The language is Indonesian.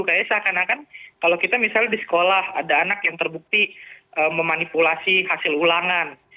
kayaknya seakan akan kalau kita misalnya di sekolah ada anak yang terbukti memanipulasi hasil ulangan